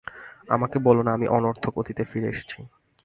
আমাকে বলো না আমি অনর্থক অতীতে ফিরে এসেছি।